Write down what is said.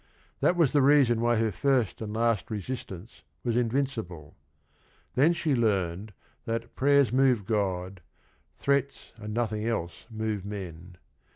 That was the reason why her first and last resistance was invincible. Then she learned that "Prayers move God; threats and nothing else move men."